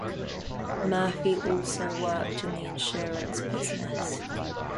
Murphy also worked in the insurance business.